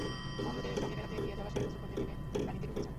বন্ধুদের সঙ্গে বেড়াতে গিয়ে জলাশয়ে গোসল করতে নেমে তিনি পানিতে ডুবে যান।